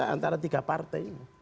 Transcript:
antara tiga partai